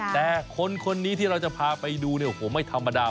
แต่คนคนนี้ที่เราจะพาไปดูเนี่ยโอ้โหไม่ธรรมดา